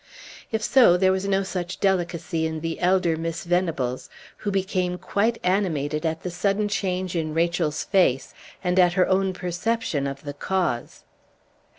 If so, there was no such delicacy in the elder Miss Venables, who became quite animated at the sudden change in Rachel's face, and at her own perception of the cause.